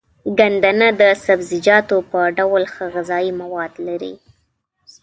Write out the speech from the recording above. ګندنه د سبزيجاتو په ډول ښه غذايي مواد لري.